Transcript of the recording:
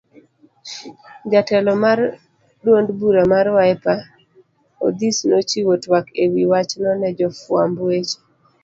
Jatelo mar duond bura mar Wiper, Odhis nochiwo twak ewi wachno ne jofuamb weche.